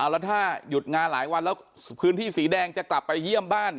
แล้วถ้าหยุดงานหลายวันแล้วพื้นที่สีแดงจะกลับไปเยี่ยมบ้าน